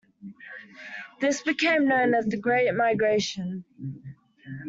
This became known as the Great Migration.